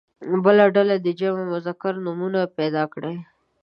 بله ډله دې جمع مذکر نومونه پیدا کړي.